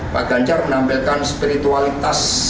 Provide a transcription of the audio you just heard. pak ganjar menampilkan spiritualitas